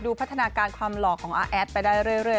พัฒนาการความหล่อของอาแอดไปได้เรื่อย